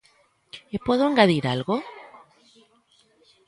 E podo engadir algo?